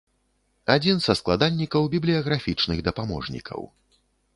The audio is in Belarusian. Адзін са складальнікаў бібліяграфічных дапаможнікаў.